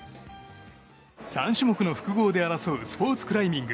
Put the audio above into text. ３種目の複合で争うスポーツクライミング。